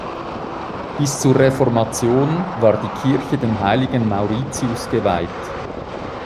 Bis zur Reformation war die Kirche dem Heiligen Mauritius geweiht.